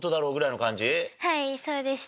はいそうでした。